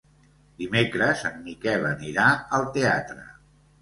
Dimecres en Miquel anirà al teatre.